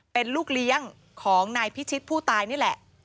เป็นลูกเลี้ยงของนายพิชิตผู้ตายนี่แหละ